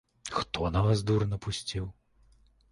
Хто на вас дур напусціў?